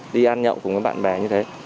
đi ăn nhậu cùng với bạn bè như thế